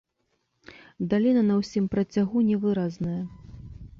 Даліна на ўсім працягу невыразная.